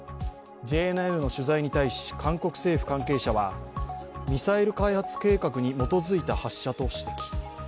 ＪＮＮの取材に対し韓国政府関係者はミサイル開発計画に基づいた発射と指摘。